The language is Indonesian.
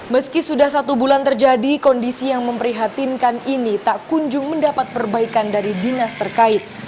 meski sudah satu bulan terjadi kondisi yang memprihatinkan ini tak kunjung mendapat perbaikan dari dinas terkait